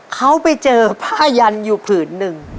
เขาไปเจอผ้ายันอยู่ผืนหนึ่ง